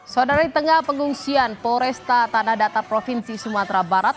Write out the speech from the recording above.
saudari tengah pengungsian poresta tanah data provinsi sumatera barat